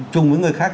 chùng với người khác